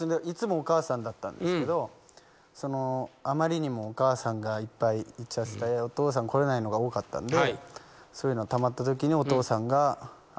いつもお母さんだったんですけどあまりにもお母さんがいっぱい行っちゃっててお父さん来れないのが多かったんでそういうのがたまったときにお父さんが。